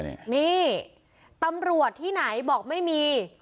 นี่ตำรวจที่ไหนบอกไม่มี